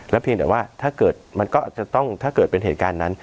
เพียงแต่ว่าถ้าเกิดมันก็จะต้องถ้าเกิดเป็นเหตุการณ์นั้น